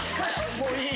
もういい。